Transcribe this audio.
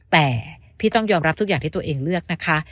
แต่พี่ต้องยอมรับทุกอย่างที่ตัวเองเลือกนะคะ